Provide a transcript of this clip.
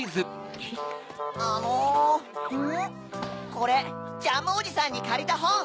これジャムおじさんにかりたほん！